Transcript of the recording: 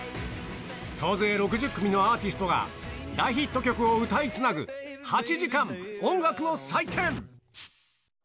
総勢６０組のアーティストが、大ヒット曲を歌いつなぐ８時間、音楽の祭典。